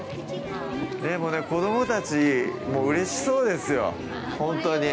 でもね、子供たちもうれしそうですよ、ほんとに。